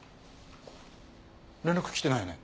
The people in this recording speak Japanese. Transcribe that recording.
連絡来てないよね？